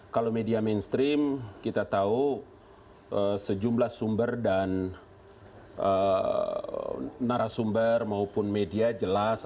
kalau media mainstream kita tahu sejumlah sumber dan narasumber maupun media jelas